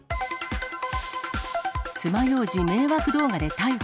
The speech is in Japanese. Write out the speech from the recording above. つまようじ迷惑動画で逮捕。